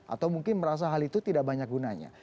atau mungkin merasa hal itu tidak banyak gunanya